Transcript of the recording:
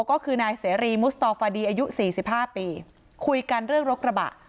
ก็คือนายเสรีมุสตอฟดีอายุ๔๕ปีคุยกันเรื่องรถกระบะ